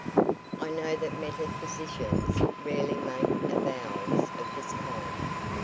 I know that metaphysicians rarely make avowals of this kind.